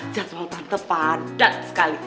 jangan sama tante padat sekali